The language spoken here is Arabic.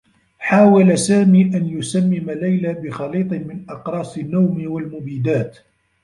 حاول سامي أن يسمّم ليلى بخليط من أقراص النّوم و المبيدات.